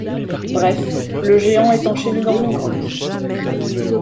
Bref, le géant est enchaîné dans une grotte.